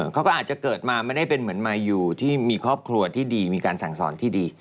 เขาก็อาจจะเกิดมาไม่ได้เป็นเหมือนมายูที่มีครอบครัวที่ดีมีการสั่งสอนที่ดี